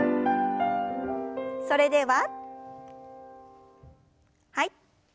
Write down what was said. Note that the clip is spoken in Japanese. それでははい。